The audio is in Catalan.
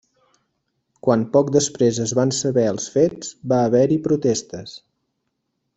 Quan poc després es van saber els fets, va haver-hi protestes.